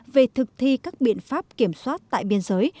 về thực thi các biện pháp kiểm soát tại biên giới